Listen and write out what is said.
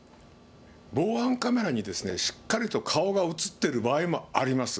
防犯カメラにしっかりと顔が写ってる場合もあります。